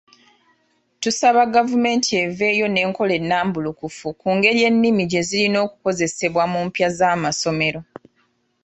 Tusaba gavumenti eveeyo n'enkola ennambulukufu ku ngeri ennimi gye zirina okukozesebwa mu mpya z’amasomero.